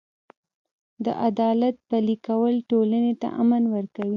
د عدالت پلي کول ټولنې ته امن ورکوي.